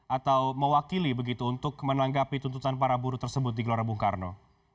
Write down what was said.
atau mewakili begitu untuk menanggapi tuntutan para buruh tersebut di gelora bung karno